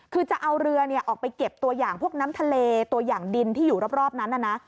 คือจะเอาเรือออกไปเก็บตัวอย่างพวกน้ำทะเลตัวอย่างดินที่อยู่รอบนั้นนะ